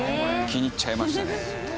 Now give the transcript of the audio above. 気に入っちゃいましたね。